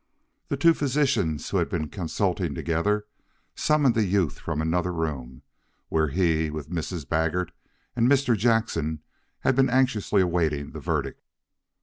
The two physicians, who had been consulting together, summoned the youth from another room, where, with Mrs. Baggert and Mr. Jackson he had been anxiously awaiting the verdict.